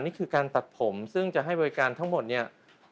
นี่คือการตัดผมซึ่งจะให้บริการทั้งหมดเนี่ย